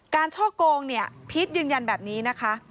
การช่อกลงพีทยืนยันแบบนี้นะคะ